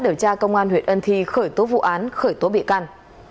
điều tra công an huyện ân thi khởi tố vụ án khởi tố bị can